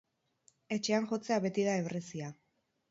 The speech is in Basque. Etxean jotzea beti da ebrezia.